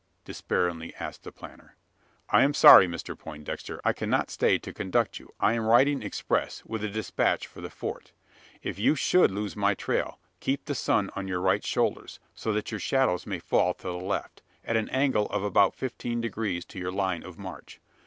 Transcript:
despairingly asked the planter. "I am sorry, Mr Poindexter, I cannot stay to conduct you, I am riding express, with a despatch for the Fort. If you should lose my trail, keep the sun on your right shoulders: so that your shadows may fall to the left, at an angle of about fifteen degrees to your line of march.